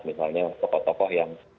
misalnya tokoh tokoh yang